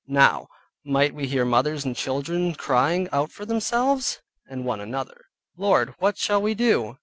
Now might we hear mothers and children crying out for themselves, and one another, "Lord, what shall we do?"